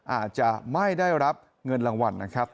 อาจจะไม่ได้รับเงินรางวัลนะครับ